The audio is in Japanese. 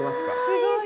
すごい。